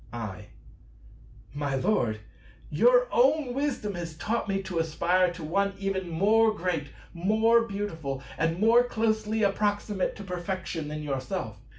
I. My Lord, your own wisdom has taught me to aspire to One even more great, more beautiful, and more closely approximate to Perfection than yourself.